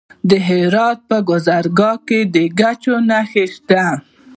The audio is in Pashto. د هرات په ګذره کې د ګچ نښې شته.